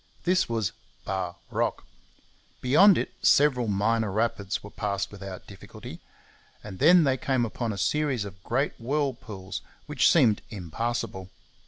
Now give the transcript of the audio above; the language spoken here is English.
This was Bar Rock. Beyond it several minor rapids were passed without difficulty; and then they came upon a series of great whirlpools which seemed impassable.